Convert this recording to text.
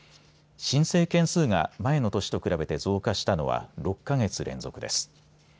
申請件数が前の年と比べて増加したのは６か月連続です。